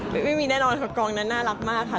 ไม่มีแน่นอนค่ะกองนั้นน่ารักมากค่ะ